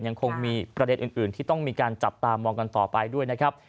ยังคงมีประเด็นอื่นที่ต้องมีการจับตามองกันต่อไปด้วยนะครับ